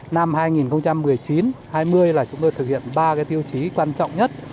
năm hai nghìn một mươi chín hai nghìn là chúng tôi thực hiện ba tiêu chí quan trọng nhất